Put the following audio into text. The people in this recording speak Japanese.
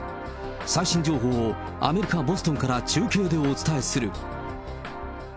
最新情報をアメリカ・ボストンから中継でお伝えする。